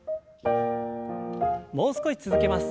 もう少し続けます。